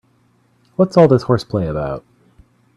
What's all this horseplay about?